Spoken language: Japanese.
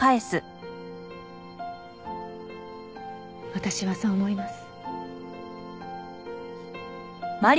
私はそう思います。